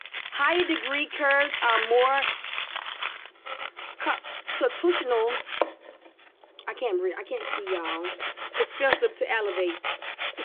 Higher degree curves are more computationally expensive to evaluate.